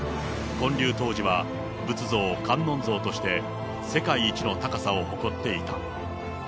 建立当時は、仏像・観音像として、世界一の高さを誇っていた。